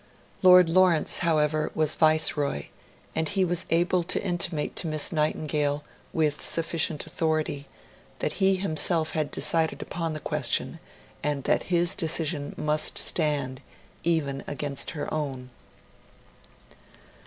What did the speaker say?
Lord Lawrence, however, was Viceroy, and he was able to intimate to Miss Nightingale, with sufficient authority, that himself had decided upon the question, and that his decision must stand, even against her own.